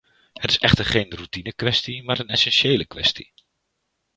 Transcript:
Het is echter geen routinekwestie, maar een essentiële kwestie!